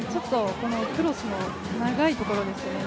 クロスの長いところですよね